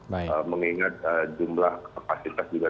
sehingga jumlah kapasitas juga